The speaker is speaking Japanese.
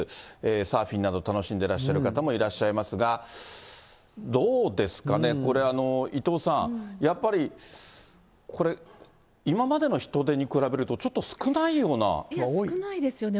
サーフィンなど、楽しんでいらっしゃる方もいらっしゃいますが、どうですかね、これ、伊藤さん、やっぱり今までの人出に比べると、少ないですよね。